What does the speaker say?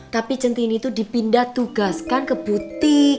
tapi jentini itu dipindah tugaskan ke butik